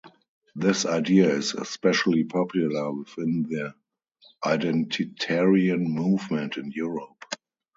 This idea is especially popular within the Identitarian movement in Europe.